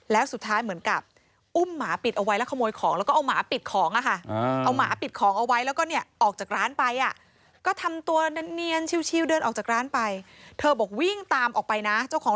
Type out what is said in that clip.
แล้วสุดท้ายเหมือนกับอุ้มหมาปิดเอาไว้แล้วขโมยของ